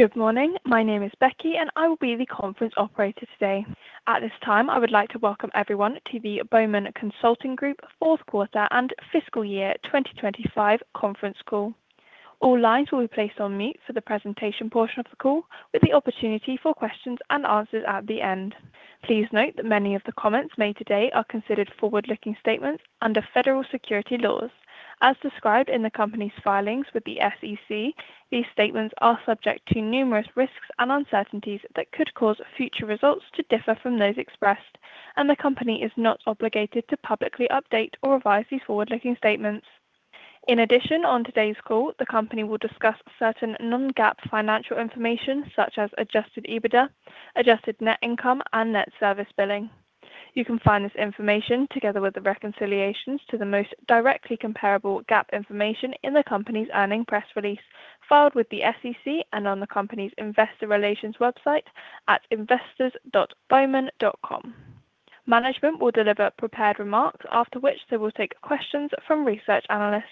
Good morning. My name is Becky, and I will be the conference operator today. At this time, I would like to welcome everyone to the Bowman Consulting Group Fourth Quarter and Fiscal Year 2025 conference call. All lines will be placed on mute for the presentation portion of the call, with the opportunity for questions and answers at the end. Please note that many of the comments made today are considered forward-looking statements under federal securities laws. As described in the company's filings with the SEC, these statements are subject to numerous risks and uncertainties that could cause future results to differ from those expressed, and the company is not obligated to publicly update or revise these forward-looking statements. In addition, on today's call, the company will discuss certain non-GAAP financial information such as Adjusted EBITDA, adjusted net income, and net service billing. You can find this information together with the reconciliations to the most directly comparable GAAP information in the company's earning press release filed with the SEC and on the company's investor relations website at investors.bowman.com. Management will deliver prepared remarks, after which they will take questions from research analysts.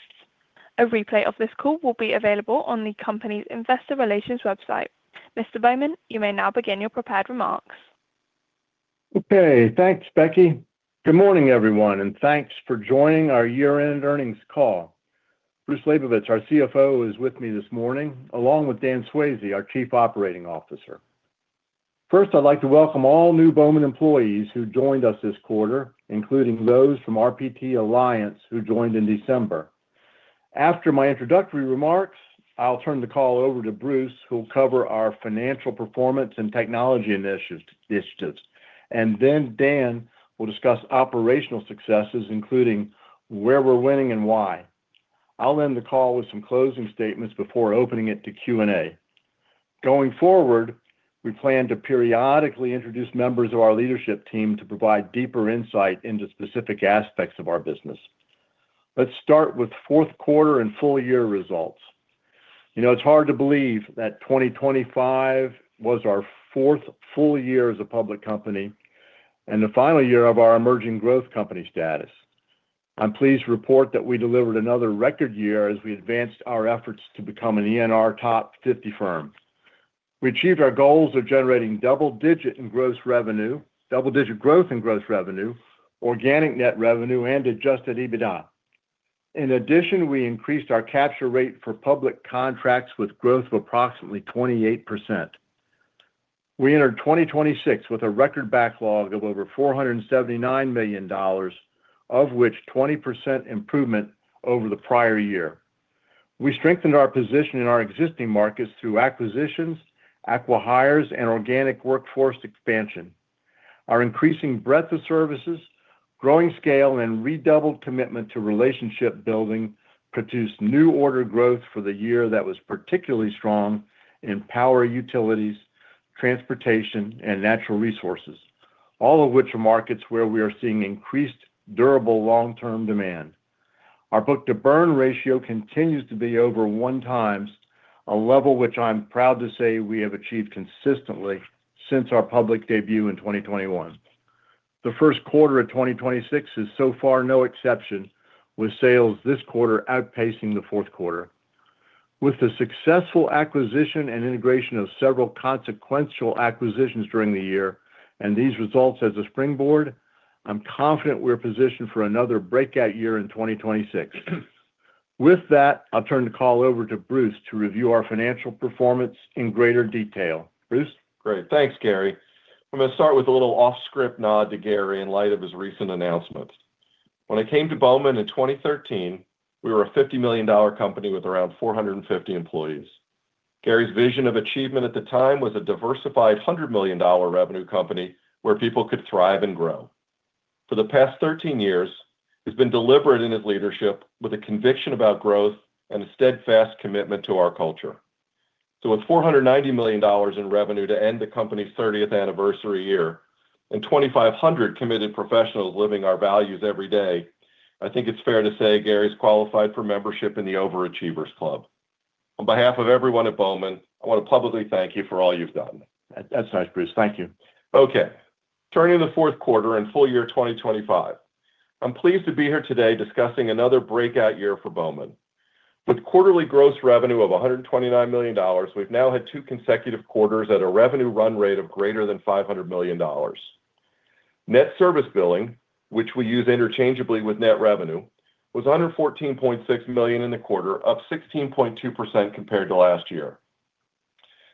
A replay of this call will be available on the company's investor relations website. Mr. Bowman, you may now begin your prepared remarks. Okay, thanks, Becky. Good morning, everyone, thanks for joining our year-end earnings call. Bruce Labovitz, our CFO, is with me this morning, along with Dan Swayze, our Chief Operating Officer. First, I'd like to welcome all new Bowman employees who joined us this quarter, including those from RPT Alliance who joined in December. After my introductory remarks, I'll turn the call over to Bruce, who will cover our financial performance and technology initiatives. Dan will discuss operational successes, including where we're winning and why. I'll end the call with some closing statements before opening it to Q&A. Going forward, we plan to periodically introduce members of our leadership team to provide deeper insight into specific aspects of our business. Let's start with fourth quarter and full-year results. You know, it's hard to believe that 2025 was our fourth full year as a public company and the final year of our emerging growth company status. I'm pleased to report that we delivered another record year as we advanced our efforts to become an ENR Top 50 firm. We achieved our goals of generating double-digit growth in gross revenue, organic net revenue, and Adjusted EBITDA. In addition, we increased our capture rate for public contracts with growth of approximately 28%. We entered 2026 with a record backlog of over $479 million, of which 20% improvement over the prior year. We strengthened our position in our existing markets through acquisitions, acqui-hires, and organic workforce expansion. Our increasing breadth of services, growing scale, and redoubled commitment to relationship building produced new order growth for the year that was particularly strong in power utilities, transportation, and natural resources. All of which are markets where we are seeing increased durable long-term demand. Our book-to-burn ratio continues to be over 1x, a level which I am proud to say we have achieved consistently since our public debut in 2021. The first quarter of 2026 is so far no exception, with sales this quarter outpacing the fourth quarter. With the successful acquisition and integration of several consequential acquisitions during the year and these results as a springboard, I'm confident we're positioned for another breakout year in 2026. With that, I'll turn the call over to Bruce to review our financial performance in greater detail. Bruce? Great. Thanks, Gary. I'm going to start with a little off-script nod to Gary in light of his recent announcement. When I came to Bowman in 2013, we were a $50 million company with around 450 employees. Gary's vision of achievement at the time was a diversified $100 million revenue company where people could thrive and grow. For the past 13 years, he's been deliberate in his leadership with a conviction about growth and a steadfast commitment to our culture. With $490 million in revenue to end the company's 30th anniversary year and 2,500 committed professionals living our values every day, I think it's fair to say Gary's qualified for membership in the Overachievers Club. On behalf of everyone at Bowman, I want to publicly thank you for all you've done. That's nice, Bruce. Thank you. Okay, turning to the fourth quarter and full year 2025. I'm pleased to be here today discussing another breakout year for Bowman. With quarterly gross revenue of $129 million, we've now had two consecutive quarters at a revenue run rate of greater than $500 million. Net service billing, which we use interchangeably with net revenue, was under $14.6 million in the quarter, up 16.2% compared to last year.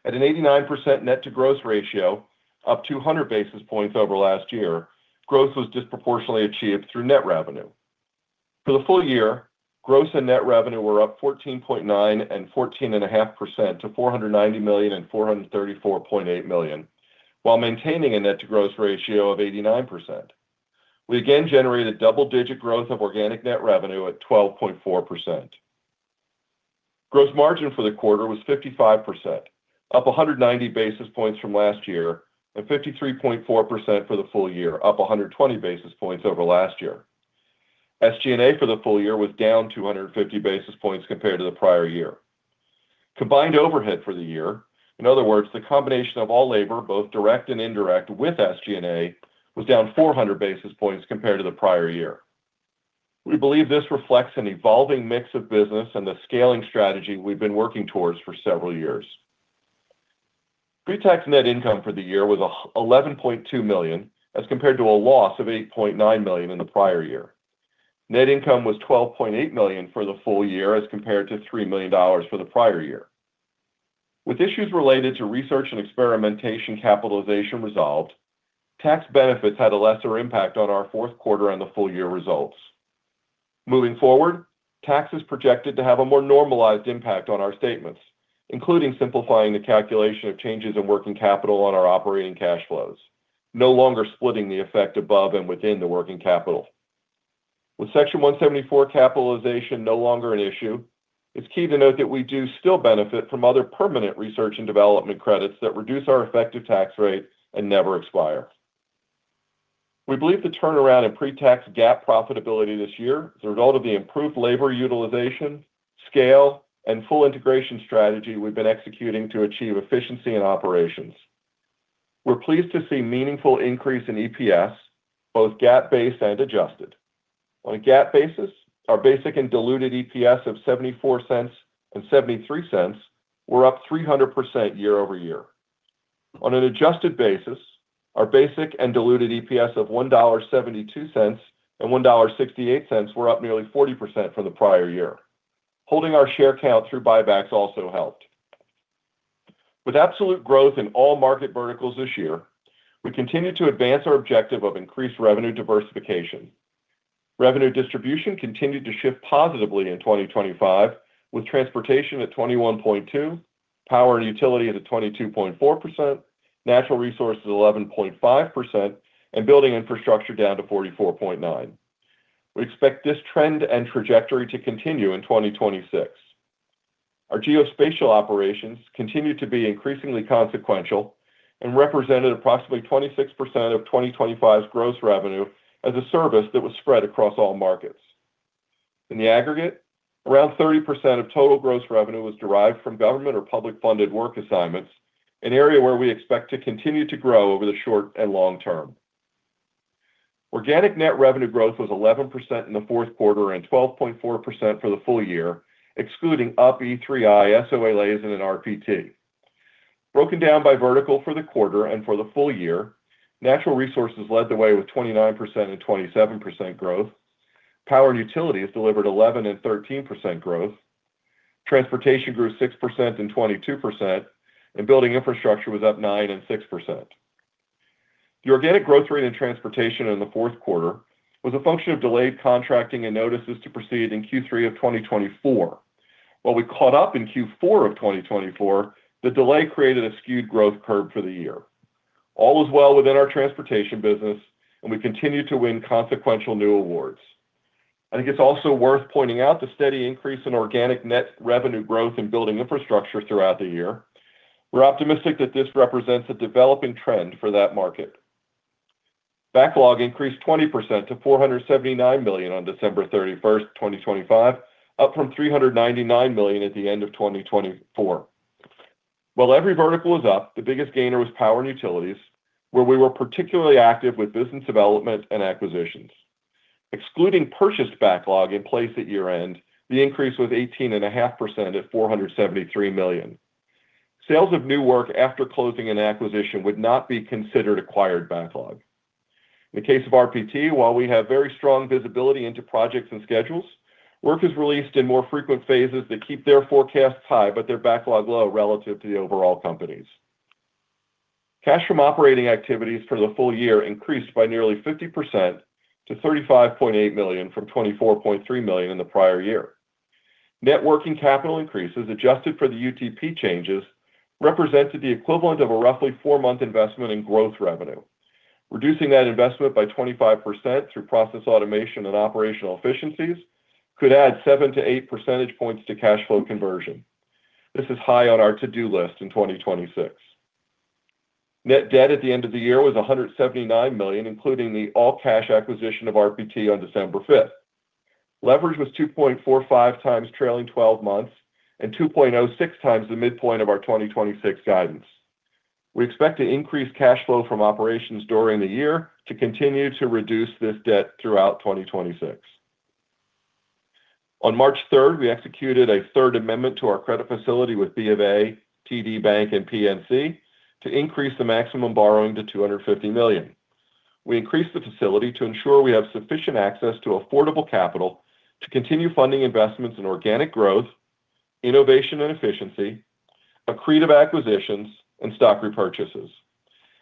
At an 89% net-to-gross ratio, up 200 basis points over last year, growth was disproportionately achieved through net revenue. For the full year, gross and net revenue were up 14.9% and 14.5% to $490 million and $434.8 million, while maintaining a net-to-gross ratio of 89%. We again generated double-digit growth of organic net revenue at 12.4%. Gross margin for the quarter was 55%, up 190 basis points from last year, and 53.4% for the full year, up 120 basis points over last year. SG&A for the full year was down 250 basis points compared to the prior year. Combined overhead for the year, in other words, the combination of all labor, both direct and indirect, with SG&A, was down 400 basis points compared to the prior year. We believe this reflects an evolving mix of business and the scaling strategy we've been working towards for several years. Pre-tax net income for the year was $11.2 million, as compared to a loss of $8.9 million in the prior year. Net income was $12.8 million for the full year, as compared to $3 million for the prior year. With issues related to research and experimentation capitalization resolved, tax benefits had a lesser impact on our fourth quarter on the full year results. Moving forward, tax is projected to have a more normalized impact on our statements, including simplifying the calculation of changes in working capital on our operating cash flows, no longer splitting the effect above and within the working capital. With Section 174 capitalization no longer an issue, it's key to note that we do still benefit from other permanent research and development credits that reduce our effective tax rate and never expire. We believe the turnaround in pre-tax GAAP profitability this year is a result of the improved labor utilization, scale, and full integration strategy we've been executing to achieve efficiency in operations. We're pleased to see meaningful increase in EPS, both GAAP-based and adjusted. On a GAAP basis, our basic and diluted EPS of $0.74 and $0.73 were up 300% year-over-year. On an adjusted basis, our basic and diluted EPS of $1.72 and $1.68 were up nearly 40% for the prior year. Holding our share count through buybacks also helped. With absolute growth in all market verticals this year, we continued to advance our objective of increased revenue diversification. Revenue distribution continued to shift positively in 2025, with transportation at 21.2%, power and utility at a 22.4%, natural resources 11.5%, and building infrastructure down to 44.9%. We expect this trend and trajectory to continue in 2026. Our geospatial operations continued to be increasingly consequential and represented approximately 26% of 2025's gross revenue as a service that was spread across all markets. In the aggregate, around 30% of total gross revenue was derived from government or public-funded work assignments, an area where we expect to continue to grow over the short and long term. Organic net revenue growth was 11% in the fourth quarter and 12.4% for the full year, excluding UPE, III, SOA, LAS, and an RPT. Broken down by vertical for the quarter and for the full year, natural resources led the way with 29% and 27% growth. Power and utilities delivered 11% and 13% growth. Transportation grew 6% and 22%, and building infrastructure was up 9% and 6%. The organic growth rate in transportation in the fourth quarter was a function of delayed contracting and notices to proceed in Q3 of 2024. While we caught up in Q4 of 2024, the delay created a skewed growth curve for the year. All was well within our transportation business, and we continued to win consequential new awards. I think it's also worth pointing out the steady increase in organic net revenue growth in building infrastructure throughout the year. We're optimistic that this represents a developing trend for that market. Backlog increased 20% to $479 million on December 31st, 2025, up from $399 million at the end of 2024. While every vertical was up, the biggest gainer was power and utilities, where we were particularly active with business development and acquisitions. Excluding purchased backlog in place at year-end, the increase was 18.5% at $473 million. Sales of new work after closing an acquisition would not be considered acquired backlog. In the case of RPT, while we have very strong visibility into projects and schedules, work is released in more frequent phases that keep their forecasts high but their backlog low relative to the overall companies. Cash from operating activities for the full year increased by nearly 50% to $35.8 million from $24.3 million in the prior year. Net working capital increases adjusted for the UTP changes represented the equivalent of a roughly four-month investment in growth revenue. Reducing that investment by 25% through process automation and operational efficiencies could add 7 to 8 percentage points to cash flow conversion. This is high on our to-do list in 2026. Net debt at the end of the year was $179 million, including the all-cash acquisition of RPT on December 5th. Leverage was 2.45x trailing 12 months and 2.06x the midpoint of our 2026 guidance. We expect to increase cash flow from operations during the year to continue to reduce this debt throughout 2026. On March 3rd, we executed a third amendment to our credit facility with BofA, TD Bank, and PNC to increase the maximum borrowing to $250 million. We increased the facility to ensure we have sufficient access to affordable capital to continue funding investments in organic growth, innovation and efficiency, accretive acquisitions, and stock repurchases.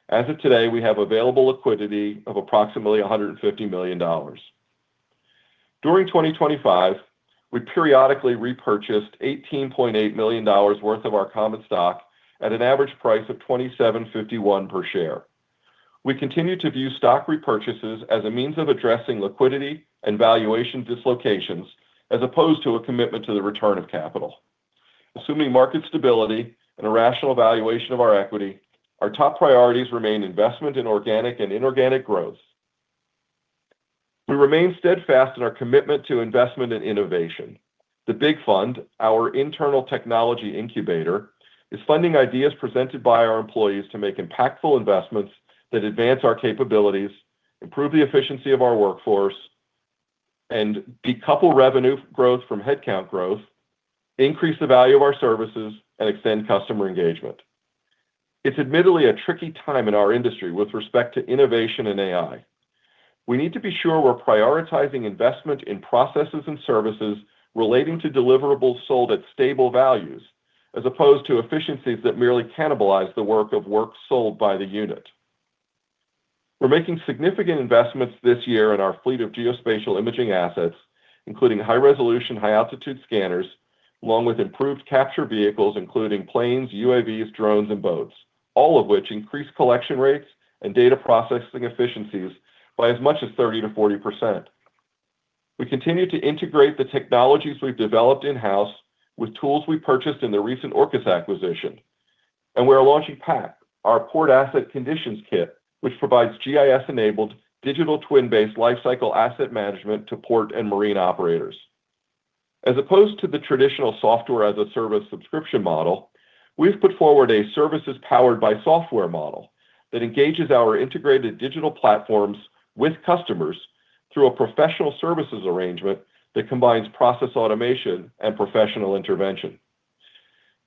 As of today, we have available liquidity of approximately $150 million. During 2025, we periodically repurchased $18.8 million worth of our common stock at an average price of $27.51 per share. We continue to view stock repurchases as a means of addressing liquidity and valuation dislocations as opposed to a commitment to the return of capital. Assuming market stability and a rational valuation of our equity, our top priorities remain investment in organic and inorganic growth. We remain steadfast in our commitment to investment and innovation. The BIG Fund, our internal technology incubator, is funding ideas presented by our employees to make impactful investments that advance our capabilities, improve the efficiency of our workforce, and decouple revenue growth from headcount growth, increase the value of our services, and extend customer engagement. It's admittedly a tricky time in our industry with respect to innovation and AI. We need to be sure we're prioritizing investment in processes and services relating to deliverables sold at stable values as opposed to efficiencies that merely cannibalize the work of work sold by the unit. We're making significant investments this year in our fleet of geospatial imaging assets, including high-resolution, high-altitude scanners, along with improved capture vehicles, including planes, UAVs, drones, and boats, all of which increase collection rates and data processing efficiencies by as much as 30%-40%. We continue to integrate the technologies we've developed in-house with tools we purchased in the recent ORCaS acquisition. We are launching PACK, our Port Asset Conditions Kit, which provides GIS-enabled digital twin-based lifecycle asset management to port and marine operators. As opposed to the traditional software-as-a-service subscription model, we've put forward a services-powered-by-software model that engages our integrated digital platforms with customers through a professional services arrangement that combines process automation and professional intervention.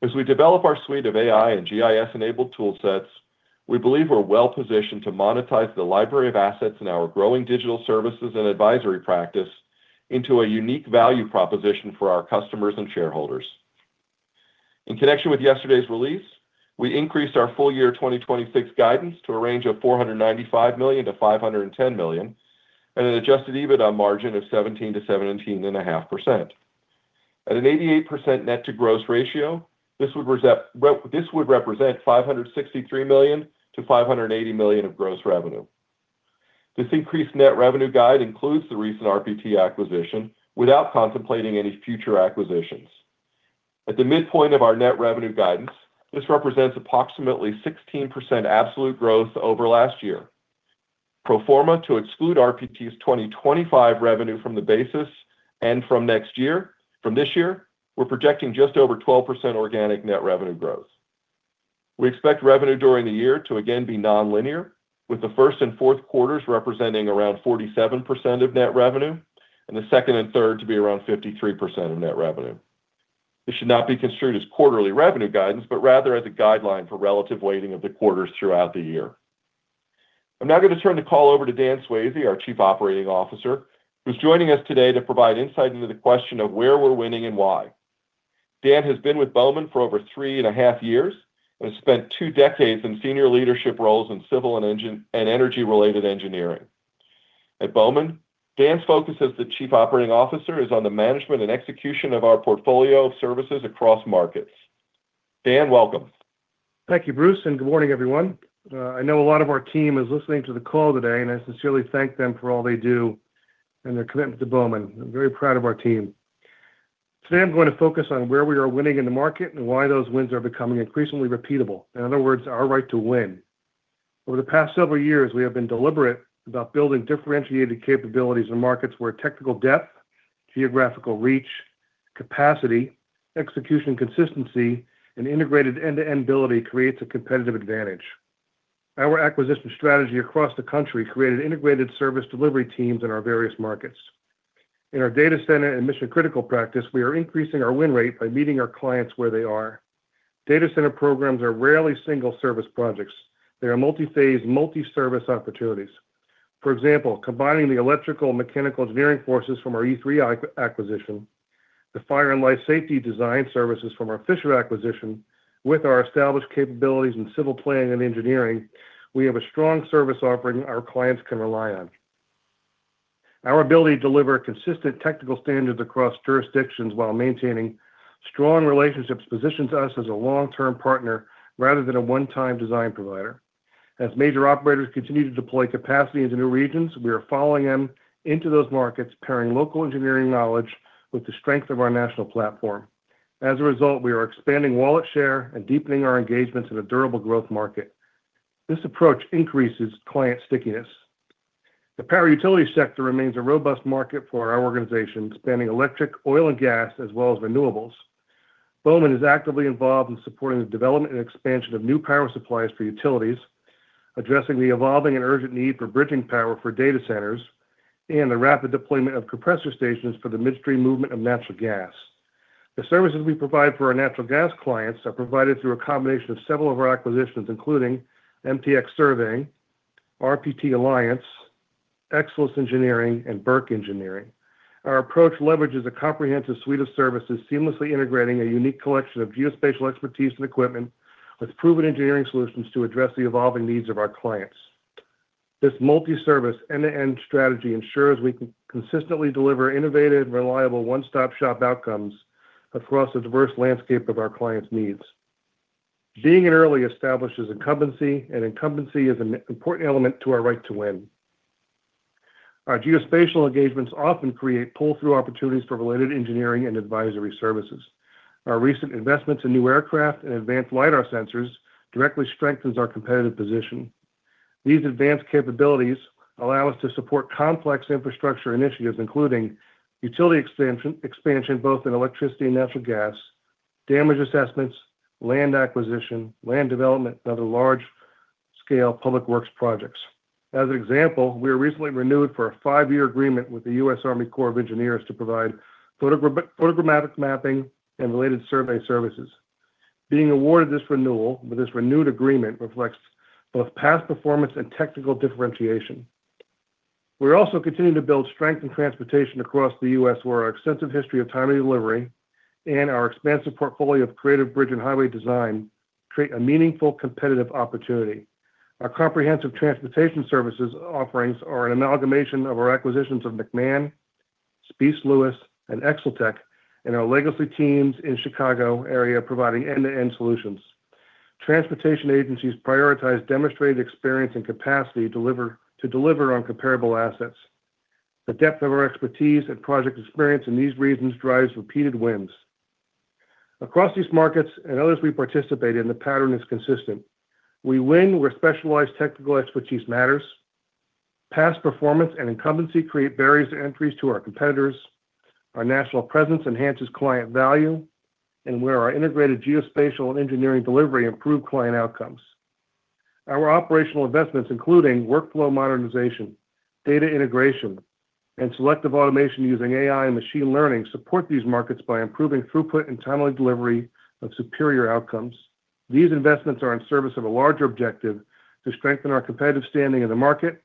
As we develop our suite of AI and GIS-enabled tool sets, we believe we're well-positioned to monetize the library of assets in our growing digital services and advisory practice into a unique value proposition for our customers and shareholders. In connection with yesterday's release, we increased our full-year 2026 guidance to a range of $495 million-$510 million and an Adjusted EBITDA margin of 17%-17.5%. At an 88% net-to-gross ratio, this would represent $563 million-$580 million of gross revenue. This increased net revenue guide includes the recent RPT acquisition without contemplating any future acquisitions. At the midpoint of our net revenue guidance, this represents approximately 16% absolute growth over last year. Pro forma to exclude RPT's 2025 revenue from the basis and from next year, from this year, we're projecting just over 12% organic net revenue growth. We expect revenue during the year to again be nonlinear, with the first and fourth quarters representing around 47% of net revenue and the second and third to be around 53% of net revenue. This should not be construed as quarterly revenue guidance, but rather as a guideline for relative weighting of the quarters throughout the year. I'm now going to turn the call over to Dan Swayze, our Chief Operating Officer, who's joining us today to provide insight into the question of where we're winning and why. Dan has been with Bowman for over three and a half years and has spent two decades in senior leadership roles in civil and energy-related engineering. At Bowman, Dan's focus as the Chief Operating Officer is on the management and execution of our portfolio of services across markets. Dan, welcome. Thank you, Bruce. Good morning, everyone. I know a lot of our team is listening to the call today, and I sincerely thank them for all they do and their commitment to Bowman. I'm very proud of our team. Today, I'm going to focus on where we are winning in the market and why those wins are becoming increasingly repeatable, in other words, our right to win. Over the past several years, we have been deliberate about building differentiated capabilities in markets where technical depth, geographical reach, capacity, execution consistency, and integrated end-to-end ability creates a competitive advantage. Our acquisition strategy across the country created integrated service delivery teams in our various markets. In our data center and mission-critical practice, we are increasing our win rate by meeting our clients where they are. Data center programs are rarely single-service projects. They are multi-phase, multi-service opportunities. For example, combining the electrical and mechanical engineering forces from our e3i acquisition, the fire and life safety design services from our Fisher acquisition with our established capabilities in civil planning and engineering, we have a strong service offering our clients can rely on. Our ability to deliver consistent technical standards across jurisdictions while maintaining strong relationships positions us as a long-term partner rather than a one-time design provider. Major operators continue to deploy capacity into new regions, we are following them into those markets, pairing local engineering knowledge with the strength of our national platform. We are expanding wallet share and deepening our engagements in a durable growth market. This approach increases client stickiness. The power utility sector remains a robust market for our organization, spanning electric, oil and gas, as well as renewables. Bowman is actively involved in supporting the development and expansion of new power supplies for utilities, addressing the evolving and urgent need for bridging power for data centers, and the rapid deployment of compressor stations for the midstream movement of natural gas. The services we provide for our natural gas clients are provided through a combination of several of our acquisitions, including MTX Surveying, RPT Alliance, Exelis Engineering, Burke Engineering. Our approach leverages a comprehensive suite of services, seamlessly integrating a unique collection of geospatial expertise and equipment with proven engineering solutions to address the evolving needs of our clients. This multi-service, end-to-end strategy ensures we can consistently deliver innovative, reliable, one-stop-shop outcomes across the diverse landscape of our clients' needs. Being in early establishes incumbency, and incumbency is an important element to our right to win. Our geospatial engagements often create pull-through opportunities for related engineering and advisory services. Our recent investment to new aircraft and advanced lidar sensors directly strengthens our competitive position. These advanced capabilities allow us to support complex infrastructure initiatives, including utility extension expansion both in electricity and natural gas, damage assessments, land acquisition, land development, and other large-scale public works projects. As an example, we were recently renewed for a five-year agreement with the U.S. Army Corps of Engineers to provide photogrammetric mapping and related survey services. Being awarded this renewal with this renewed agreement reflects both past performance and technical differentiation. We're also continuing to build strength in transportation across the U.S., where our extensive history of timely delivery and our expansive portfolio of creative bridge and highway design create a meaningful competitive opportunity. Our comprehensive transportation services offerings are an amalgamation of our acquisitions of McMahon, Spees Lewis, and Exeltech, and our legacy teams in Chicago area providing end-to-end solutions. Transportation agencies prioritize demonstrated experience and capacity to deliver on comparable assets. The depth of our expertise and project experience in these regions drives repeated wins. Across these markets and others we participate in, the pattern is consistent. We win where specialized technical expertise matters. Past performance and incumbency create barriers to entries to our competitors. Our national presence enhances client value, where our integrated geospatial and engineering delivery improve client outcomes. Our operational investments, including workflow modernization, data integration, and selective automation using AI and machine learning, support these markets by improving throughput and timely delivery of superior outcomes. These investments are in service of a larger objective to strengthen our competitive standing in the market,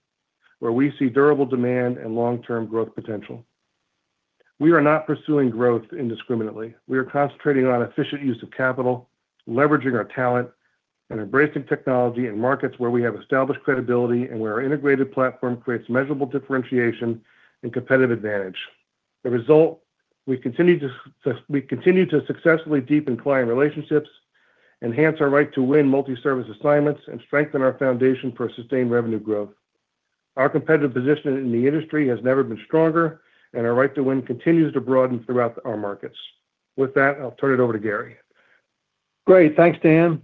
where we see durable demand and long-term growth potential. We are not pursuing growth indiscriminately. We are concentrating on efficient use of capital, leveraging our talent, and embracing technology in markets where we have established credibility and where our integrated platform creates measurable differentiation and competitive advantage. The result, we continue to successfully deepen client relationships, enhance our right to win multi-service assignments, and strengthen our foundation for sustained revenue growth. Our competitive position in the industry has never been stronger. Our right to win continues to broaden throughout our markets. With that, I'll turn it over to Gary. Great. Thanks, Dan.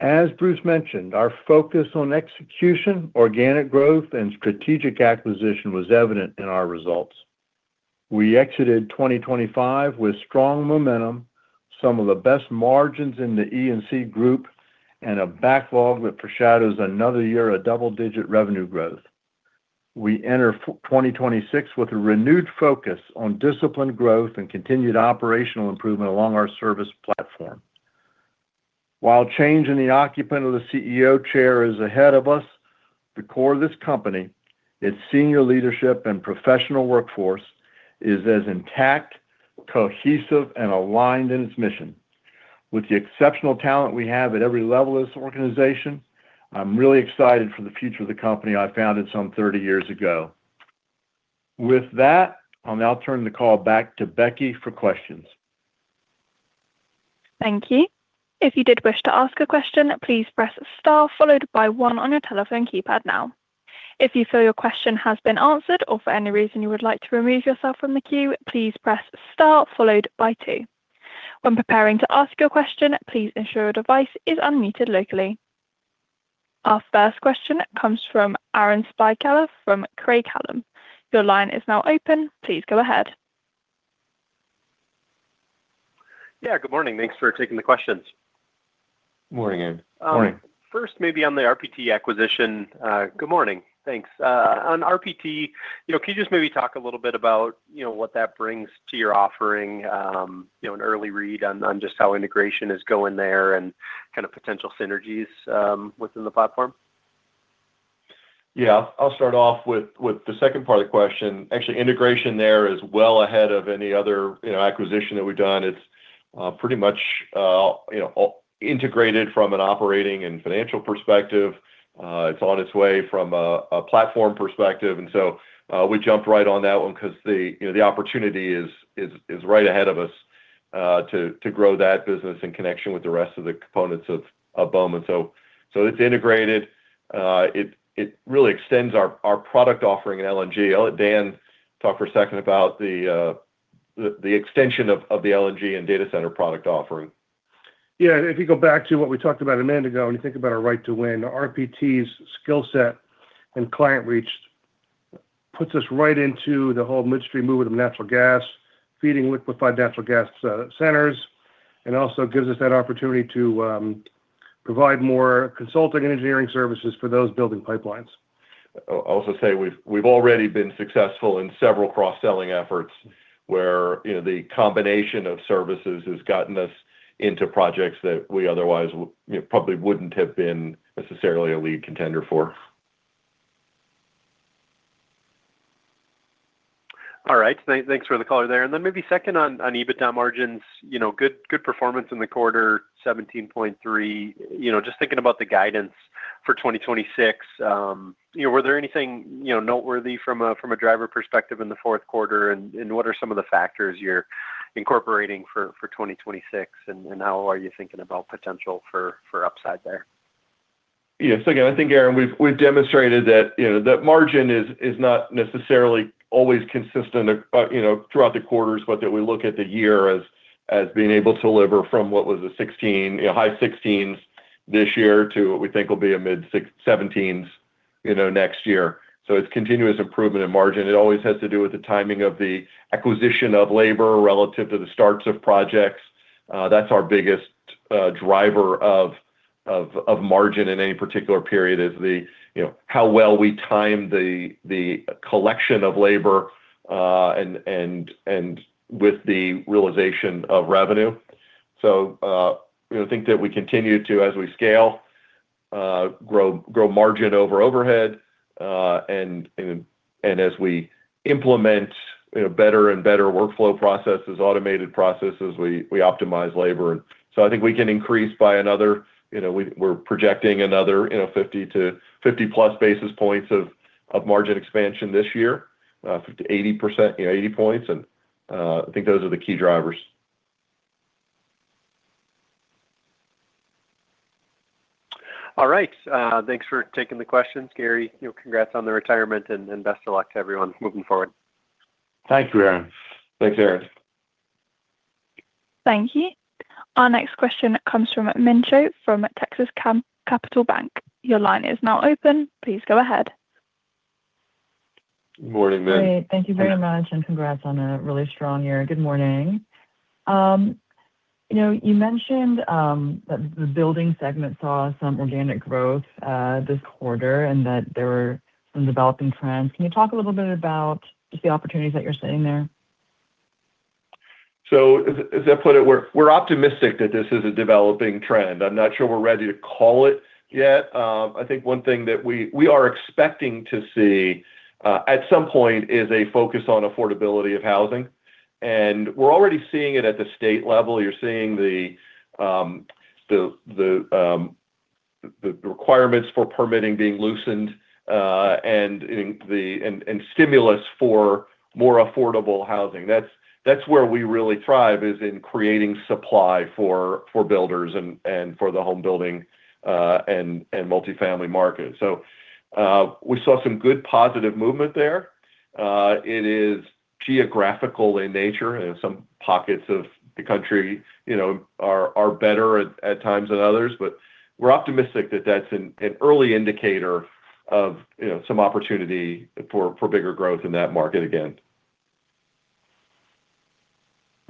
As Bruce mentioned, our focus on execution, organic growth, and strategic acquisition was evident in our results. We exited 2025 with strong momentum, some of the best margins in the E&C group, and a backlog that foreshadows another year of double-digit revenue growth. We enter 2026 with a renewed focus on disciplined growth and continued operational improvement along our service platform. While change in the occupant of the CEO chair is ahead of us, the core of this company, its senior leadership and professional workforce, is as intact, cohesive, and aligned in its mission. With the exceptional talent we have at every level of this organization, I'm really excited for the future of the company I founded some 30 years ago. I'll now turn the call back to Becky for questions. Thank you. If you did wish to ask a question, please press star followed by one on your telephone keypad now. If you feel your question has been answered or for any reason you would like to remove yourself from the queue, please press star followed by two. When preparing to ask your question, please ensure your device is unmuted locally. Our first question comes from Aaron Spychalla from Craig-Hallum. Your line is now open. Please go ahead. Yeah, good morning. Thanks for taking the questions. Morning, Aaron. Morning. First, maybe on the RPT acquisition. Good morning. Thanks. On RPT, you know, can you just maybe talk a little bit about, you know, what that brings to your offering, you know, an early read on just how integration is going there and kind of potential synergies within the platform? Yeah. I'll start off with the second part of the question. Actually, integration there is well ahead of any other, you know, acquisition that we've done. It's pretty much, you know, integrated from an operating and financial perspective. It's on its way from a platform perspective. We jumped right on that one 'cause the, you know, the opportunity is right ahead of us to grow that business in connection with the rest of the components of Bowman. It's integrated. It really extends our product offering in LNG. I'll let Dan talk for a second about the extension of the LNG and data center product offering. Yeah. If you go back to what we talked about a minute ago, and you think about our right to win, RPT's skill set and client reach puts us right into the whole midstream movement of natural gas, feeding liquefied natural gas centers and also gives us that opportunity to provide more consulting and engineering services for those building pipelines. I'll also say we've already been successful in several cross-selling efforts where, you know, the combination of services has gotten us into projects that we otherwise you know, probably wouldn't have been necessarily a lead contender for. All right. Thanks for the color there. Then maybe second on EBITDA margins, you know, good performance in the quarter, 17.3. You know, just thinking about the guidance for 2026, you know, were there anything, you know, noteworthy from a driver perspective in the fourth quarter, and what are some of the factors you're incorporating for 2026, and how are you thinking about potential for upside there? Yes. Again, I think, Aaron, we've demonstrated that, you know, that margin is not necessarily always consistent, you know, throughout the quarters, but that we look at the year as As being able to deliver from what was a 16%, you know, high 16s% this year to what we think will be a mid-17s%, you know, next year. It's continuous improvement in margin. It always has to do with the timing of the acquisition of labor relative to the starts of projects. That's our biggest driver of margin in any particular period is the, you know, how well we time the collection of labor and with the realization of revenue. We would think that we continue to as we scale, grow margin over overhead and as we implement, you know, better and better workflow processes, automated processes, we optimize labor. I think we can increase by another, you know, we're projecting another, you know, 50 to 50+ basis points of margin expansion this year. 50%-80%, you know, 80 points, and I think those are the key drivers. All right. Thanks for taking the questions, Gary. You know, congrats on the retirement and best of luck to everyone moving forward. Thank you, Aaron. Thanks, Aaron. Thank you. Our next question comes from Min Cho from Texas Capital Bank. Your line is now open. Please go ahead. Good morning, Min. Great. Thank you very much. Congrats on a really strong year. Good morning. You know, you mentioned that the building segment saw some organic growth this quarter and that there were some developing trends. Can you talk a little bit about just the opportunities that you're seeing there? As I put it, we're optimistic that this is a developing trend. I'm not sure we're ready to call it yet. I think one thing that we are expecting to see at some point is a focus on affordability of housing. We're already seeing it at the state level. You're seeing the requirements for permitting being loosened, and stimulus for more affordable housing. That's where we really thrive, is in creating supply for builders and for the home building, and multifamily markets. We saw some good positive movement there. It is geographical in nature, and some pockets of the country, you know, are better at times than others. We're optimistic that that's an early indicator of, you know, some opportunity for bigger growth in that market again.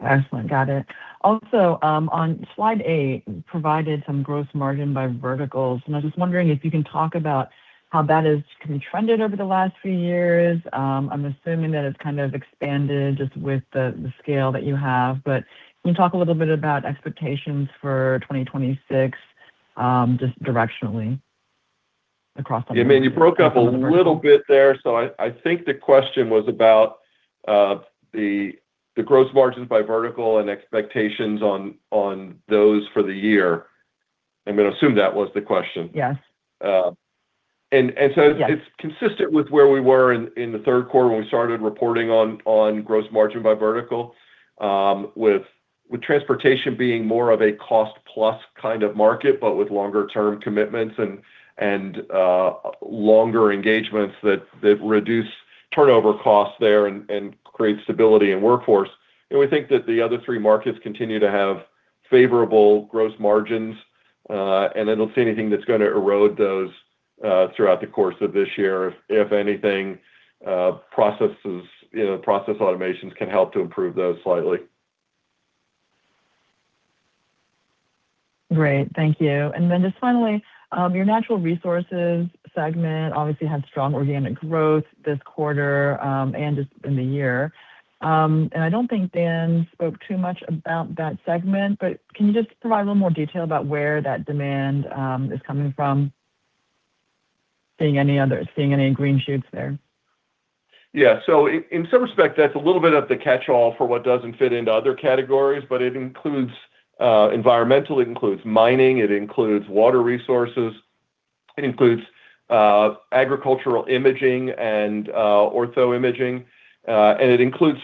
Excellent. Got it. Also, on slide eight, you provided some gross margin by verticals, and I'm just wondering if you can talk about how that has kind of trended over the last few years. I'm assuming that it's kind of expanded just with the scale that you have. Can you talk a little bit about expectations for 2026, just directionally across the. Yeah. Min, you broke up a little bit there. I think the question was about the gross margins by vertical and expectations on those for the year. I'm gonna assume that was the question. Yes. Ah, and, and so- Yes It's consistent with where we were in the third quarter when we started reporting on gross margin by vertical. With transportation being more of a cost-plus kind of market, but with longer-term commitments and longer engagements that reduce turnover costs there and create stability in workforce. We think that the other three markets continue to have favorable gross margins, and I don't see anything that's gonna erode those throughout the course of this year. If anything, processes, process automations can help to improve those slightly. Great. Thank you. Just finally, your natural resources segment obviously had strong organic growth this quarter, and just in the year. I don't think Dan spoke too much about that segment, but can you just provide a little more detail about where that demand is coming from? Seeing any green shoots there? Yeah. In some respect, that's a little bit of the catch-all for what doesn't fit into other categories, but it includes environmental, it includes mining, it includes water resources, it includes agricultural imaging and ortho imaging, and it includes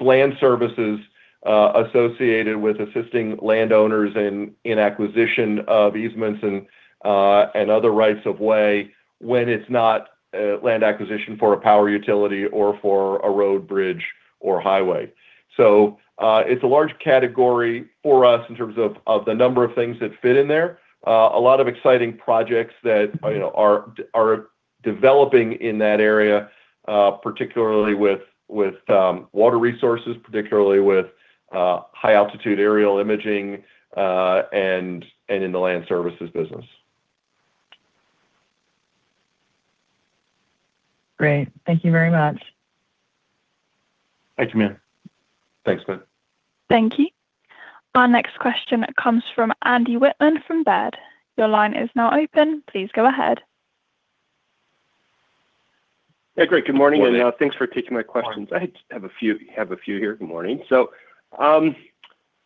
land services associated with assisting landowners in acquisition of easements and other rights of way when it's not land acquisition for a power utility or for a road bridge or highway. It's a large category for us in terms of the number of things that fit in there. A lot of exciting projects that, you know, are developing in that area, particularly with water resources, particularly with high-altitude aerial imaging, and in the land services business. Great. Thank you very much. Thank you, Min. Thanks, Min. Thank you. Our next question comes from Andy Wittmann from Baird. Your line is now open. Please go ahead. Yeah, great. Good morning. Good morning. Thanks for taking my questions. I have a few here. Good morning. Where do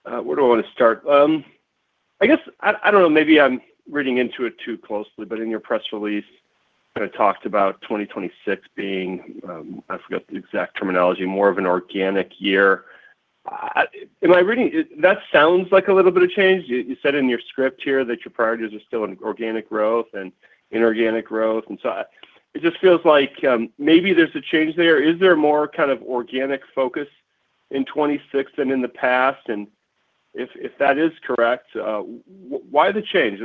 I wanna start? I guess, I don't know, maybe I'm reading into it too closely, but in your press release kinda talked about 2026 being, I forgot the exact terminology, more of an organic year. Am I reading? That sounds like a little bit of change. You said in your script here that your priorities are still in organic growth and inorganic growth, so it just feels like maybe there's a change there. Is there more kind of organic focus in 2026 than in the past? If that is correct, why the change?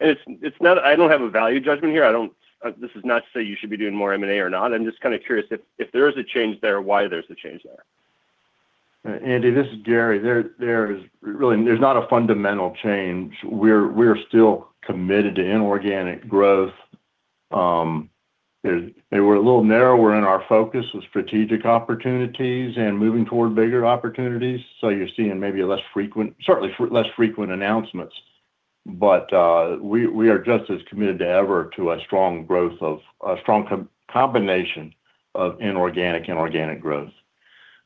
It's not. I don't have a value judgment here. I don't. This is not to say you should be doing more M&A or not. I'm just kind of curious if there is a change there, why there's a change there? Andy, this is Gary. There is really, there's not a fundamental change. We're still committed to inorganic growth. We're a little narrower in our focus with strategic opportunities and moving toward bigger opportunities. You're seeing maybe a less frequent, certainly less frequent announcements. We are just as committed to ever to a strong growth of a strong combination of inorganic and organic growth.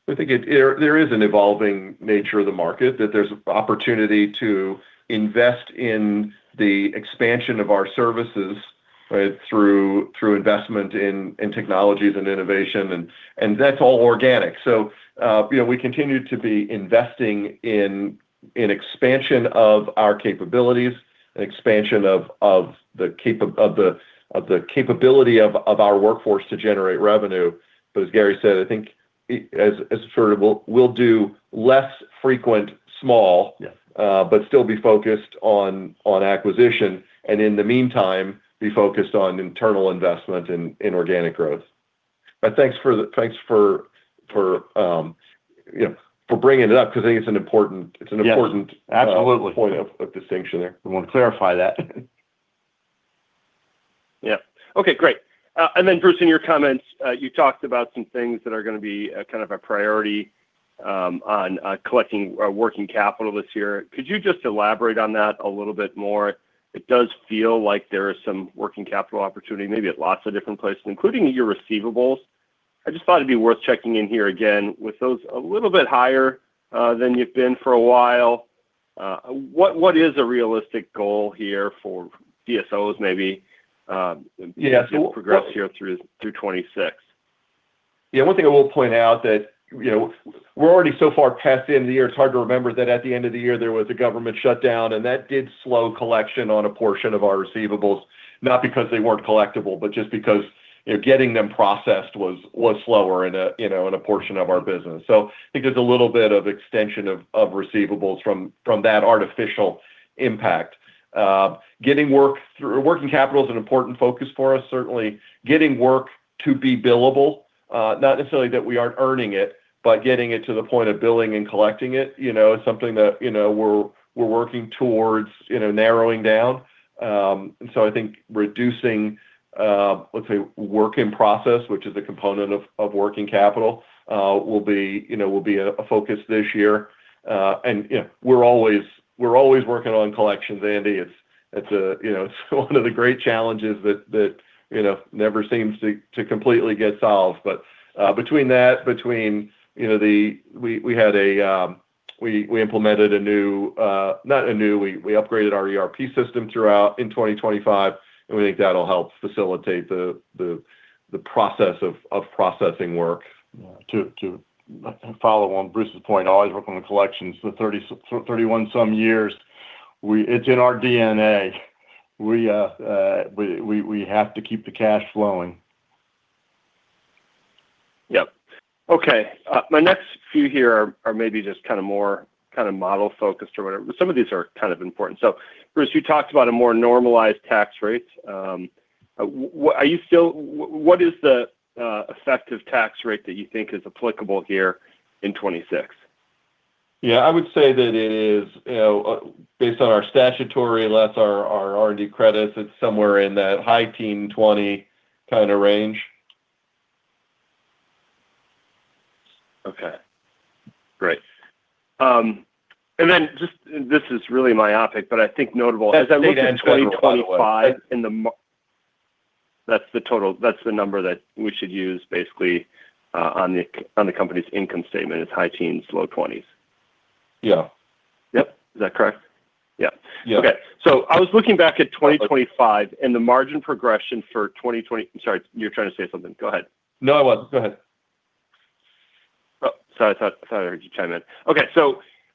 I think there is an evolving nature of the market, that there's opportunity to invest in the expansion of our services, right? Through investment in technologies and innovation, and that's all organic. You know, we continue to be investing in expansion of our capabilities and expansion of the capability of our workforce to generate revenue. As Gary said, I think we'll do less frequent small-. Yeah But still be focused on acquisition, and in the meantime, be focused on internal investment in organic growth. Thanks for, you know, for bringing it up, because I think it's an important- Yes. Absolutely It's an important point of distinction there. We want to clarify that. Yeah. Okay, great. Bruce, in your comments, you talked about some things that are gonna be a kind of a priority on collecting working capital this year. Could you just elaborate on that a little bit more? It does feel like there is some working capital opportunity maybe at lots of different places, including your receivables. I just thought it'd be worth checking in here again. With those a little bit higher, than you've been for a while, what is a realistic goal here for DSOs maybe, as we progress here through 2026? Yeah. One thing I will point out that, you know, we're already so far past the end of the year, it's hard to remember that at the end of the year, there was a government shutdown. That did slow collection on a portion of our receivables, not because they weren't collectible, but just because, you know, getting them processed was slower in a, you know, in a portion of our business. I think there's a little bit of extension of receivables from that artificial impact. Getting work through working capital is an important focus for us, certainly. Getting work to be billable, not necessarily that we aren't earning it, but getting it to the point of billing and collecting it, you know, is something that, you know, we're working towards, you know, narrowing down. I think reducing, let's say, work in process, which is a component of working capital, will be, you know, a focus this year. You know, we're always working on collections, Andy. It's a, you know, it's one of the great challenges that, you know, never seems to completely get solved. Between that, between, you know, we upgraded our ERP system throughout in 2025, and we think that'll help facilitate the process of processing work. To follow on Bruce's point, always working on collections for 31 some years. It's in our DNA. We have to keep the cash flowing. Yep. Okay. My next few here are maybe just kinda more kinda model-focused or whatever. Some of these are kind of important. Bruce, you talked about a more normalized tax rate. What is the effective tax rate that you think is applicable here in 2026? Yeah. I would say that it is, you know, based on our statutory less our R&D credits, it's somewhere in that high teen, 20% kinda range. Okay. Great. Then just This is really myopic, but I think notable. As I look at 2025 and That's the total. That's the number that we should use basically, on the company's income statement. It's high teens, low twenties. Yeah. Yep. Is that correct? Yeah. Yeah. I was looking back at 2025 and the margin progression for 2020. I'm sorry, you were trying to say something. Go ahead. No, I wasn't. Go ahead. Sorry, I thought I heard you chime in. Okay.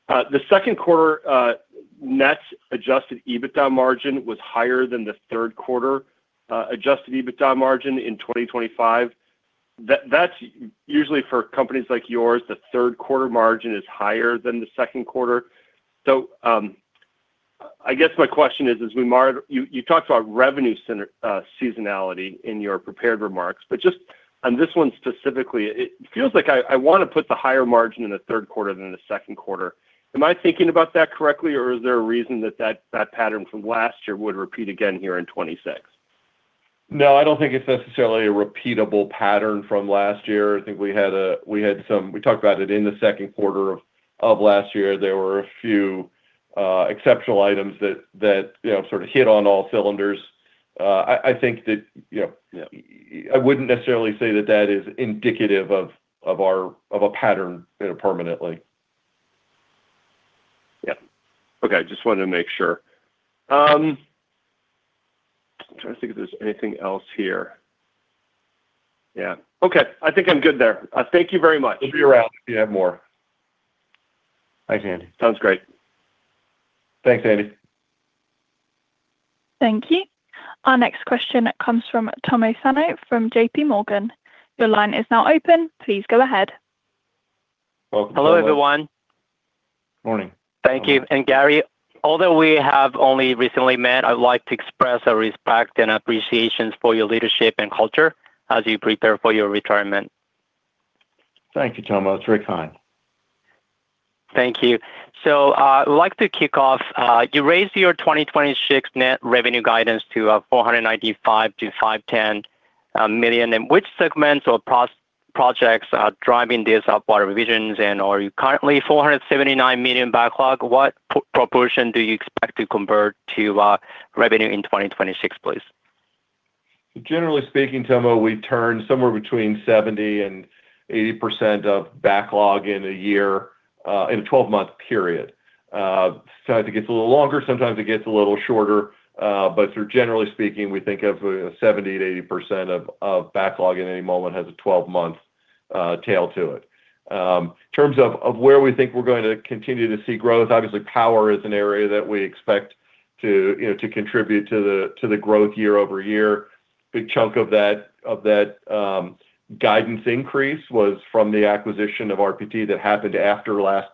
The second quarter net Adjusted EBITDA margin was higher than the third quarter Adjusted EBITDA margin in 2025. That's usually for companies like yours, the third quarter margin is higher than the second quarter. I guess my question is, as we mar. You talked about revenue center seasonality in your prepared remarks, but just on this one specifically, it feels like I wanna put the higher margin in the third quarter than in the second quarter. Am I thinking about that correctly, or is there a reason that that pattern from last year would repeat again here in 2026? No, I don't think it's necessarily a repeatable pattern from last year. I think we had some. We talked about it in the second quarter of last year. There were a few exceptional items that, you know, sort of hit on all cylinders. I think that, you know. Yeah I wouldn't necessarily say that that is indicative of our, of a pattern, you know, permanently. Yeah. Okay. Just wanted to make sure. I'm trying to think if there's anything else here. Yeah. Okay. I think I'm good there. Thank you very much. We'll be around if you have more. Thanks, Andy. Sounds great. Thanks, Andy. Thank you. Our next question comes from Tomo Sano from JPMorgan. Your line is now open. Please go ahead. Welcome, Tomo. Hello, everyone. Morning. Thank you. Gary, although we have only recently met, I would like to express our respect and appreciation for your leadership and culture as you prepare for your retirement. Thank you, Tomo. That's very kind. Thank you. I would like to kick off. You raised your 2026 net revenue guidance to $495 million-$510 million. In which segments or projects are driving this upward revisions? Are you currently $479 million backlog? What proportion do you expect to convert to revenue in 2026, please? Generally speaking, Tomo, we turn somewhere between 70% and 80% of backlog in a year, in a 12-month period. Sometimes it gets a little longer, sometimes it gets a little shorter, but generally speaking, we think of 70%-80% of backlog at any moment has a 12-month tail to it. In terms of where we think we're going to continue to see growth, obviously, power is an area that we expect to, you know, to contribute to the growth year-over-year. A big chunk of that guidance increase was from the acquisition of RPT that happened after last,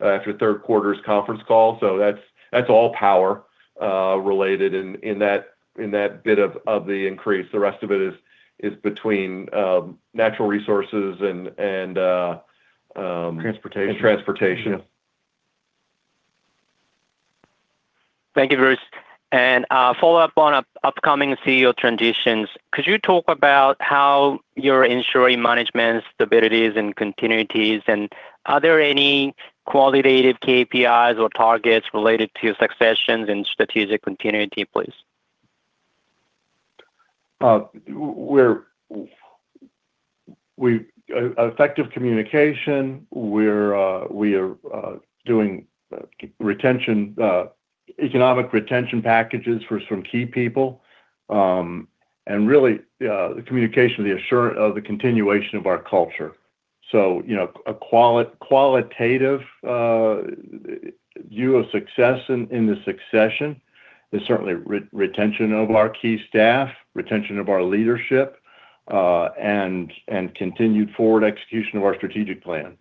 after third quarter's conference call. That's all power related in that bit of the increase. The rest of it is between natural resources and. Transportation Transportation. Yeah. Thank you, Bruce. A follow-up on up-upcoming CEO transitions. Could you talk about how you're ensuring management stability and continuities? Are there any qualitative KPIs or targets related to successions and strategic continuity, please? Effective communication, we are doing economic retention packages for some key people. Really, the communication of the continuation of our culture. You know, a qualitative view of success in the succession is certainly retention of our key staff, retention of our leadership, continued forward execution of our strategic plan.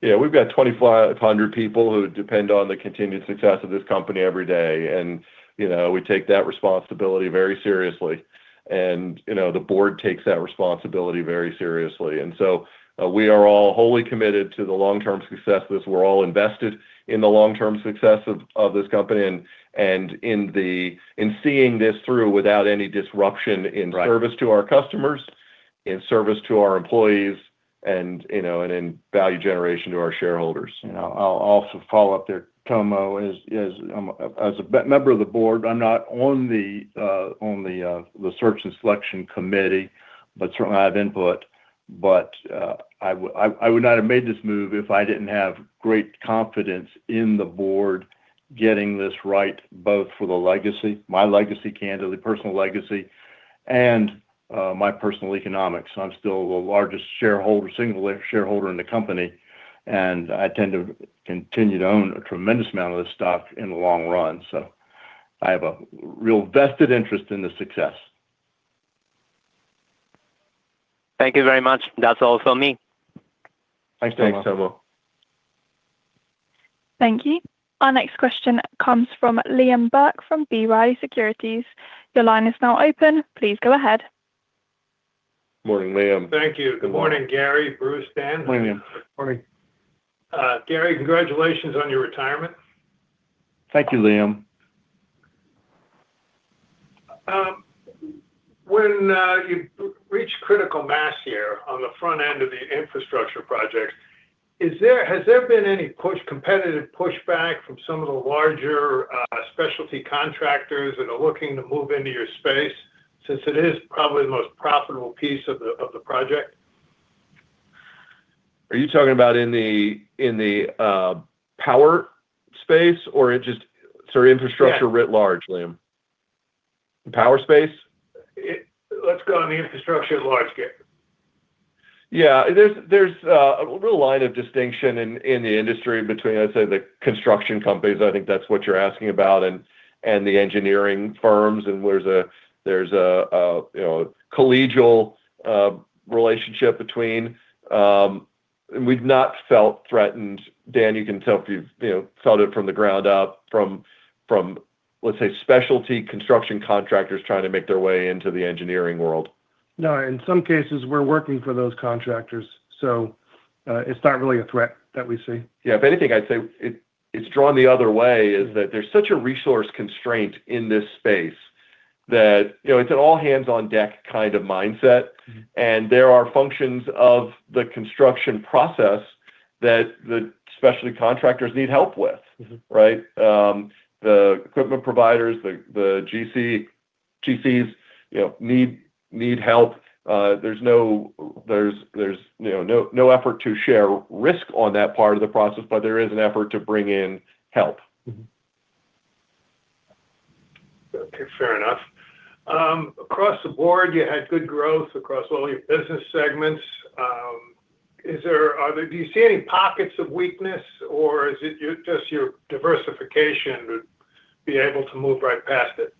We've got 2,500 people who depend on the continued success of this company every day, and, you know, we take that responsibility very seriously. You know, the board takes that responsibility very seriously. We are all wholly committed to the long-term success of this. We're all invested in the long-term success of this company and seeing this through without any disruption in- Right Service to our customers, in service to our employees, and, you know, in value generation to our shareholders. You know, I'll also follow up there, Tomo. As a member of the board, I'm not on the search and selection committee, but certainly I have input. I would not have made this move if I didn't have great confidence in the board getting this right, both for the legacy, my legacy, candidly, personal legacy, and my personal economics. I'm still the largest shareholder, single shareholder in the company, and I tend to continue to own a tremendous amount of the stock in the long run. I have a real vested interest in the success. Thank you very much. That's all for me. Thanks, Tomo. Thanks, Tomo. Thank you. Our next question comes from Liam Burke from B. Riley Securities. Your line is now open. Please go ahead. Morning, Liam. Thank you. Good morning. Morning, Gary, Bruce, Dan. Morning. Morning. Gary, congratulations on your retirement. Thank you, Liam. When you reach critical mass here on the front end of the infrastructure projects, has there been any competitive pushback from some of the larger specialty contractors that are looking to move into your space since it is probably the most profitable piece of the project? Are you talking about in the, in the, power space or just? Sorry. Yeah Writ large, Liam? Power space? Let's go on the infrastructure at large scale. Yeah. There's a real line of distinction in the industry between, I'd say, the construction companies, I think that's what you're asking about, and the engineering firms, and there's a, you know, collegial relationship between... We've not felt threatened. Dan, you can tell if you've, you know, felt it from the ground up from, let's say, specialty construction contractors trying to make their way into the engineering world. No. In some cases, we're working for those contractors, so, it's not really a threat that we see. Yeah. If anything, I'd say it's drawn the other way, is that there's such a resource constraint in this space that, you know, it's an all hands on deck kind of mindset. Mm-hmm. There are functions of the construction process that the specialty contractors need help with. Mm-hmm. Right? the equipment providers, the GCs, you know, need help. there's no, you know, no effort to share risk on that part of the process, but there is an effort to bring in help. Mm-hmm. Okay, fair enough. Across the board, you had good growth across all your business segments, do you see any pockets of weakness or is it just your diversification to be able to move right past it?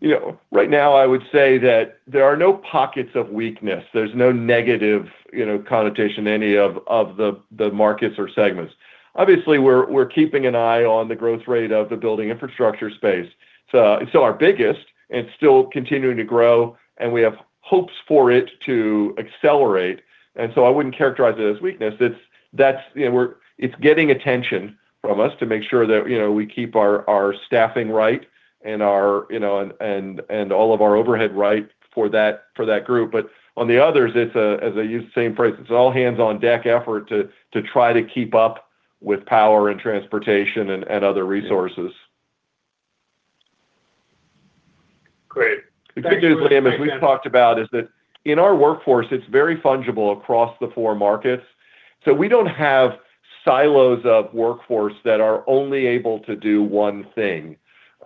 You know, right now I would say that there are no pockets of weakness. There's no negative, you know, connotation in any of the markets or segments. Obviously, we're keeping an eye on the growth rate of the building infrastructure space. It's, it's still our biggest and still continuing to grow, and we have hopes for it to accelerate. I wouldn't characterize it as weakness. It's getting attention from us to make sure that, you know, we keep our staffing right and our, you know, and all of our overhead right for that, for that group. On the others, it's, as I use the same phrase, it's all hands on deck effort to try to keep up with power and transportation and other resources. Great. Thank you. The good news, Liam, as we've talked about, is that in our workforce, it's very fungible across the four markets. We don't have silos of workforce that are only able to do one thing.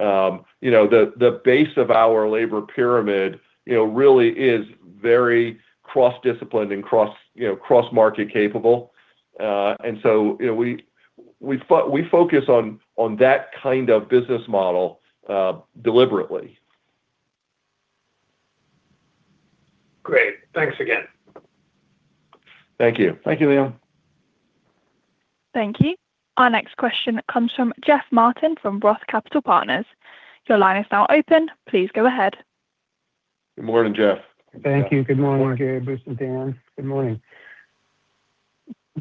You know, the base of our labor pyramid, you know, really is very cross-disciplined and cross-market capable. You know, we focus on that kind of business model deliberately. Great. Thanks again. Thank you. Thank you, Liam. Thank you. Our next question comes from Jeff Martin from Roth Capital Partners. Your line is now open. Please go ahead. Good morning, Jeff. Thank you. Good morning, Gary, Bruce, and Dan. Good morning.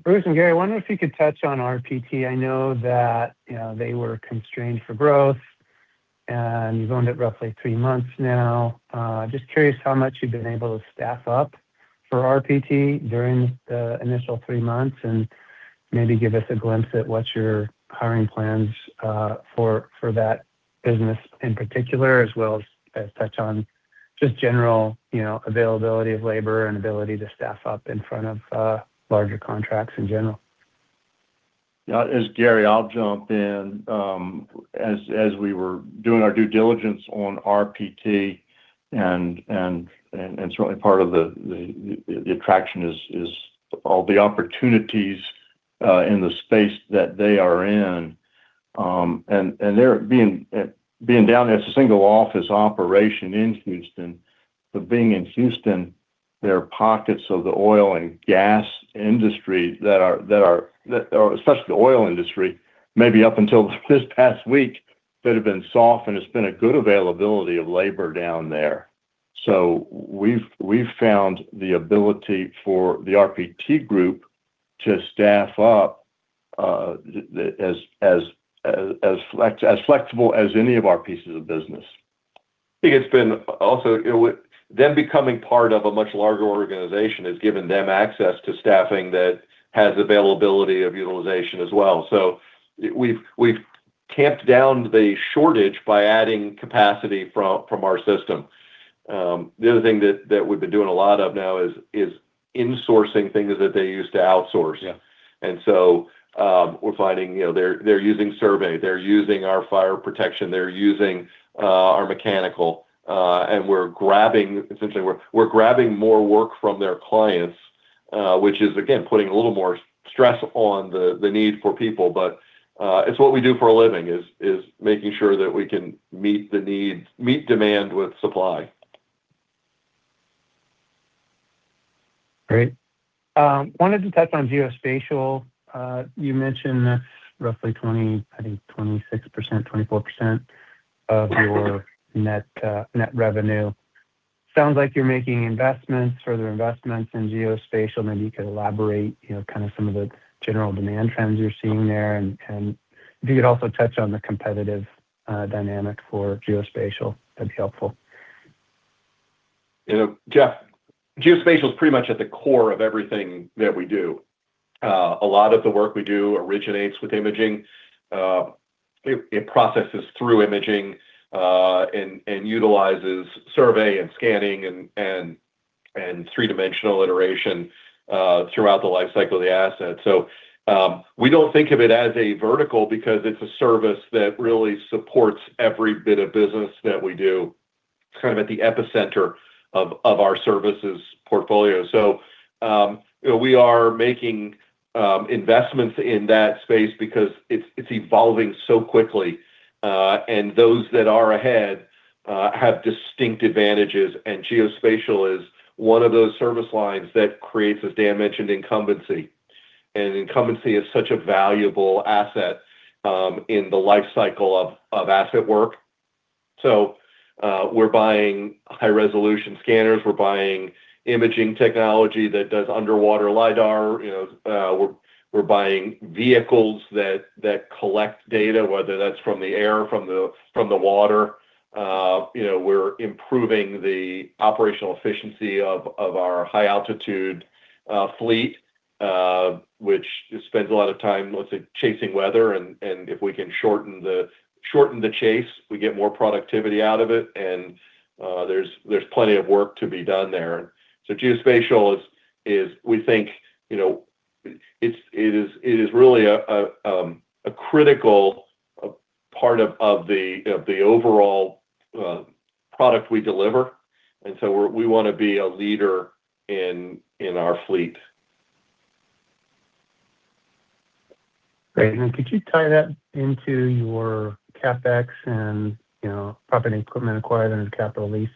Bruce and Gary, I wonder if you could touch on RPT. I know that, you know, they were constrained for growth, and you've owned it roughly three months now. Just curious how much you've been able to staff up for RPT during the initial three months, and maybe give us a glimpse at what's your hiring plans for that business in particular, as well as touch on just general, you know, availability of labor and ability to staff up in front of larger contracts in general. Yeah. As Gary, I'll jump in. As we were doing our due diligence on RPT and certainly part of the attraction is all the opportunities in the space that they are in. They're being down as a single office operation in Houston, but being in Houston, there are pockets of the oil and gas industry that are or especially the oil industry, maybe up until this past week, that have been soft and it's been a good availability of labor down there. We've found the ability for the RPT group to staff up as flexible as any of our pieces of business. I think it's been also, you know, them becoming part of a much larger organization has given them access to staffing that has availability of utilization as well. We've camped down the shortage by adding capacity from our system. The other thing that we've been doing a lot of now is insourcing things that they used to outsource. Yeah. We're finding, you know, they're using survey, they're using our fire protection, they're using our mechanical, and we're grabbing, essentially, we're grabbing more work from their clients, which is again, putting a little more stress on the need for people. It's what we do for a living is making sure that we can meet the needs, meet demand with supply. Great. wanted to touch on geospatial. you mentioned roughly 20, I think 26%, 24% of your net net revenue. Sounds like you're making investments, further investments in geospatial. Maybe you could elaborate, you know, kind of some of the general demand trends you're seeing there. If you could also touch on the competitive dynamic for geospatial, that'd be helpful. You know, Jeff, geospatial is pretty much at the core of everything that we do. A lot of the work we do originates with imaging. It processes through imaging, and utilizes survey and scanning and three-dimensional iteration throughout the lifecycle of the asset. We don't think of it as a vertical because it's a service that really supports every bit of business that we do. It's kind of at the epicenter of our services portfolio. You know, we are making investments in that space because it's evolving so quickly. Those that are ahead have distinct advantages. Geospatial is one of those service lines that creates, as Dan mentioned, incumbency. Incumbency is such a valuable asset in the lifecycle of asset work. We're buying high resolution scanners. We're buying imaging technology that does underwater lidar. You know, we're buying vehicles that collect data, whether that's from the air, from the water. You know, we're improving the operational efficiency of our high altitude fleet, which spends a lot of time, let's say, chasing weather. If we can shorten the chase, we get more productivity out of it. There's plenty of work to be done there. Geospatial is we think, you know, it is really a critical part of the overall product we deliver, we wanna be a leader in our fleet. Great. Could you tie that into your CapEx and, you know, property and equipment acquired and capital lease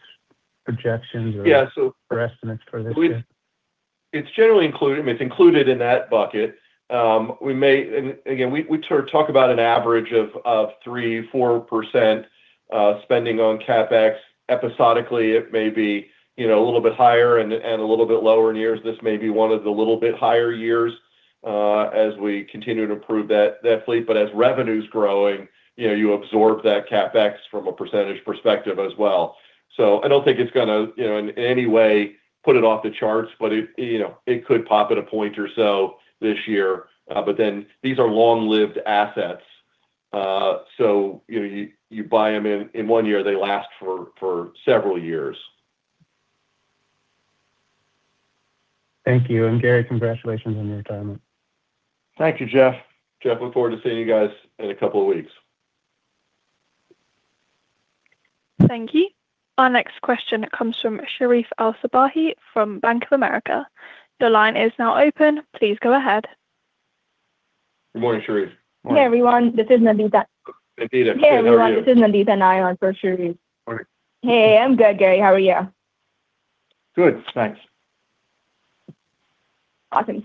projections or-? Yeah. or estimates for this year? It's generally included. I mean, it's included in that bucket. We may. Again, we sort of talk about an average of 3%, 4% spending on CapEx. Episodically, it may be, you know, a little bit higher and a little bit lower in years. This may be one of the little bit higher years as we continue to improve that, the fleet. As revenue's growing, you know, you absorb that CapEx from a percentage perspective as well. I don't think it's gonna, you know, in any way put it off the charts, but it, you know, it could pop at a point or so this year. These are long-lived assets. You know, you buy 'em in one year, they last for several years. Thank you. Gary, congratulations on your retirement. Thank you, Jeff. Jeff, look forward to seeing you guys in a couple of weeks. Thank you. Our next question comes from Sherif El-Sabbahy from Bank of America. The line is now open. Please go ahead. Good morning, Sherif. Morning. Hey, everyone. This is Nandita. Nandita, Sherif, how are you? Hey, everyone. This is Nandita Nayar for Sherif. Morning. Hey. I'm good, Gary. How are you? Good. Thanks. Awesome.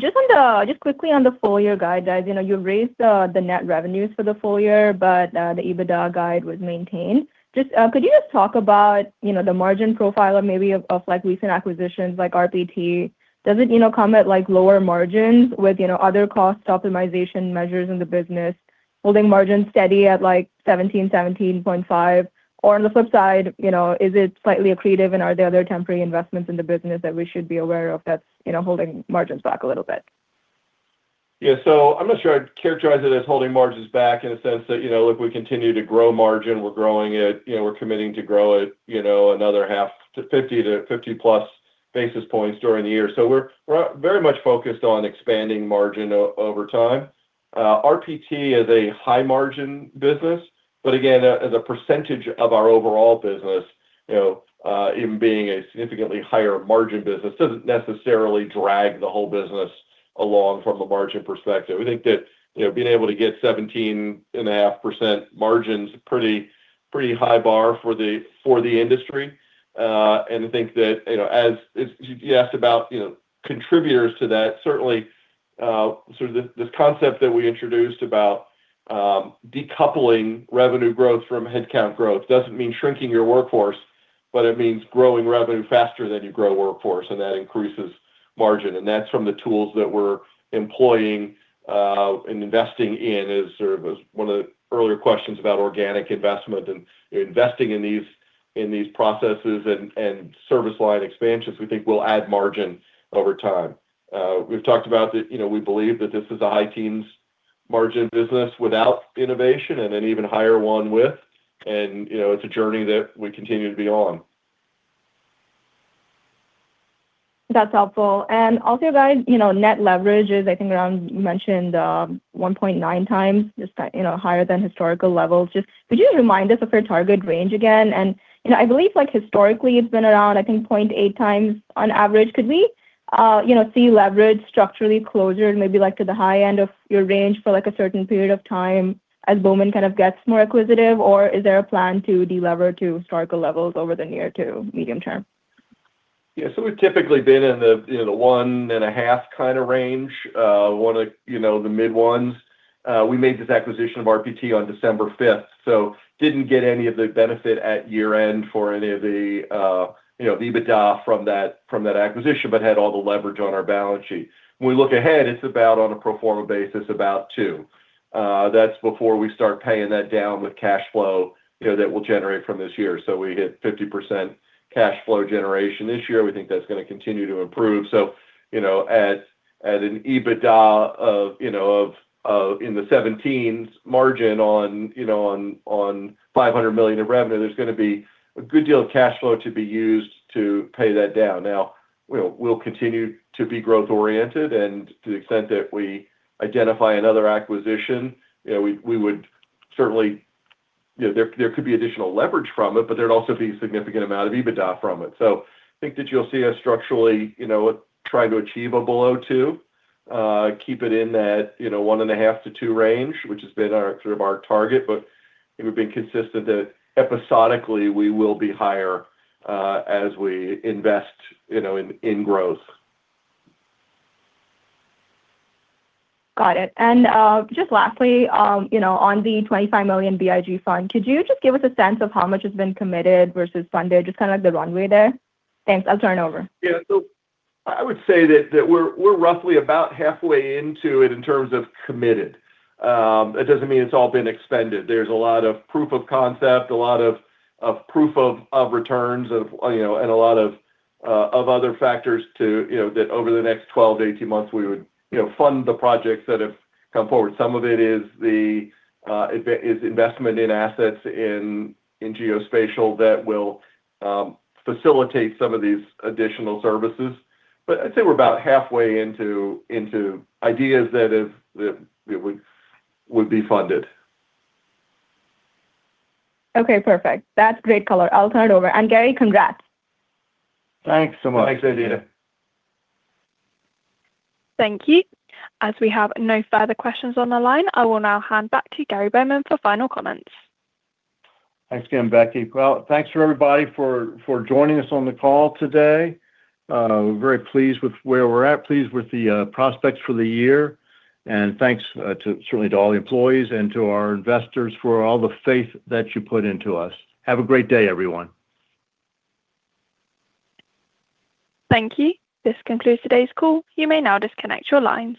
Just quickly on the full-year guide, guys. You know, you've raised the net revenues for the full year, the EBITDA guide was maintained. Could you just talk about, you know, the margin profile or maybe of, like, recent acquisitions like RPT? Does it, you know, come at, like, lower margins with, you know, other cost optimization measures in the business, holding margins steady at, like, 17.5%? On the flip side, you know, is it slightly accretive, and are there other temporary investments in the business that we should be aware of that's, you know, holding margins back a little bit? I'm not sure I'd characterize it as holding margins back in the sense that, you know, look, we continue to grow margin. We're growing it. You know, we're committing to grow it, you know, another half to 50 to 50-plus basis points during the year. We're very much focused on expanding margin over time. RPT is a high-margin business, but again, as a percentage of our overall business, you know, even being a significantly higher margin business doesn't necessarily drag the whole business along from a margin perspective. We think that, you know, being able to get 17.5% margin's a pretty high bar for the industry. I think that, you know, as you asked about, you know, contributors to that, certainly, sort of this concept that we introduced about, decoupling revenue growth from headcount growth doesn't mean shrinking your workforce, but it means growing revenue faster than you grow workforce, and that increases margin. That's from the tools that we're employing, and investing in. As sort of as one of the earlier questions about organic investment and investing in these, in these processes and service line expansions, we think will add margin over time. We've talked about that, you know, we believe that this is a high teens margin business without innovation and an even higher one with. You know, it's a journey that we continue to be on. That's helpful. Also, guys, you know, net leverage is, I think, around, you mentioned, 1.9x, just, you know, higher than historical levels. Just could you remind us of your target range again? You know, I believe, like, historically it's been around, I think, 0.8x on average. Could we, you know, see leverage structurally closure and maybe, like, to the high end of your range for, like, a certain period of time as Bowman kind of gets more acquisitive, or is there a plan to de-lever to historical levels over the near to medium term? Yeah. We've typically been in the, in the 1.5 kind of range, one of, you know, the mid ones. We made this acquisition of RPT on December 5th, didn't get any of the benefit at year-end for any of the, you know, the EBITDA from that, from that acquisition, but had all the leverage on our balance sheet. When we look ahead, it's about on a pro forma basis, about two. That's before we start paying that down with cash flow, you know, that we'll generate from this year. We hit 50% cash flow generation this year. We think that's going to continue to improve. You know, at an EBITDA of, you know, in the 17s margin on, you know, $500 million of revenue, there's gonna be a good deal of cash flow to be used to pay that down. We know we'll continue to be growth oriented and to the extent that we identify another acquisition, you know, we would certainly. You know, there could be additional leverage from it, but there'd also be significant amount of EBITDA from it. I think that you'll see us structurally, you know, try to achieve a below two, keep it in that, you know, 1.5-2 range, which has been our sort of our target. I think we've been consistent that episodically we will be higher, as we invest, you know, in growth. Got it. Just lastly, you know, on the $25 million BIG Fund, could you just give us a sense of how much has been committed versus funded? Just kinda like the runway there. Thanks. I'll turn it over. I would say that we're roughly about halfway into it in terms of committed. It doesn't mean it's all been expended. There's a lot of proof of concept, a lot of proof of returns of, you know, and a lot of other factors to, you know, that over the next 12 to 18 months we would, you know, fund the projects that have come forward. Some of it is the investment in assets in geospatial that will facilitate some of these additional services. I'd say we're about halfway into ideas that have, that would be funded. Okay. Perfect. That's great color. I'll turn it over. Gary, congrats. Thanks so much. Thanks, Nandita. Thank you. As we have no further questions on the line, I will now hand back to Gary Bowman for final comments. Thanks again, Becky. Well, thanks for everybody for joining us on the call today. We're very pleased with where we're at, pleased with the prospects for the year. Thanks to certainly to all the employees and to our investors for all the faith that you put into us. Have a great day, everyone. Thank you. This concludes today's call. You may now disconnect your lines.